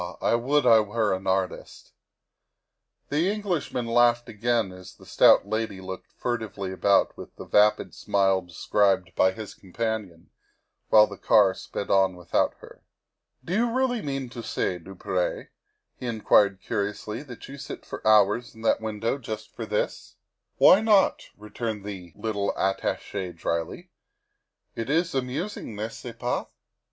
I would I were an artist !'' The Englishman laughed again as the stout lady looked furtively about with the vapid smile described by his companion, while the car sped on without her. " Do you really mean to say, du Pre," he inquired curiously, " that you sit for hours in that window just for this?" " Why not?" returned the little Attache dryly, " it is amusing, n'est ce pas?